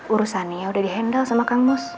urusannya udah di handle sama kang mus